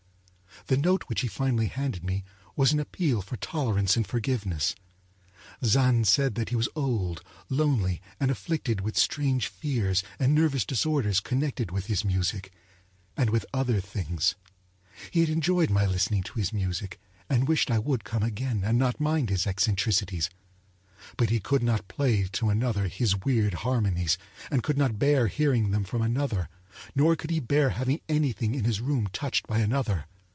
The note which he finally handed me was an appeal for tolerance and forgiveness. Zann said that he was old, lonely, and afflicted with strange fears and nervous disorders connected with his music and with other things. He had enjoyed my listening to his music, and wished I would come again and not mind his eccentricities. But he could not play to another his weird harmonies, and could not bear hearing them from another; nor could he bear having anything in his room touched by another.